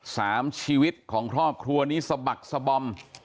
สามชีวิตของครอบครัวนี้สะบักสะบอม